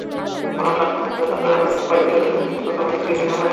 বরং সাত সমুদ্র তেরো নদীর ওপারের বিলেতেও তাঁকে প্রচণ্ডভাবে ছুঁয়ে দেয় বাংলাদেশ।